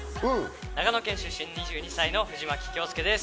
長野県出身、２２歳、藤牧京介です。